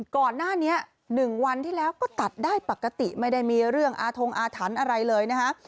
ก่อนหน้านี้๑วันที่แล้วก็ตัดได้ปกติไม่ได้มีเรื่องอาทงอาถรรพ์อะไรเลยนะฮะ